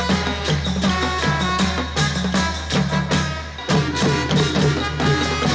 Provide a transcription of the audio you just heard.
โอ้โหโอ้โหโอ้โห